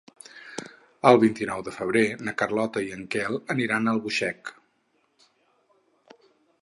El vint-i-nou de febrer na Carlota i en Quel aniran a Albuixec.